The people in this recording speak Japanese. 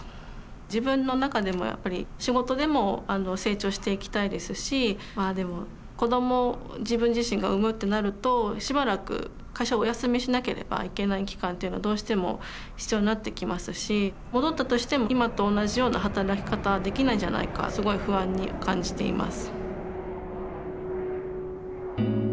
自分の中でもやっぱり仕事でも成長していきたいですしまあでも子どもを自分自身が産むってなるとしばらく会社をお休みしなければいけない期間というのはどうしても必要になってきますし戻ったとしても今と同じような働き方はできないんじゃないかすごい不安に感じています。